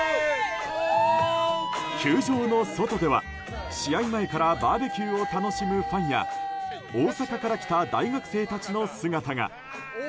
球場の外では試合前からバーベキューを楽しむファンや大阪から来た大学生たちの姿が。